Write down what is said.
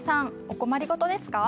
お困り事ですか？